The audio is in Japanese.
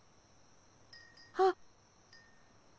あっ。